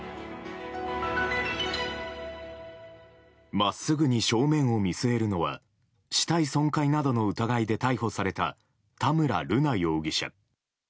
真っすぐに正面を見据えるのは死体損壊などの疑いで逮捕された田村瑠奈容疑者。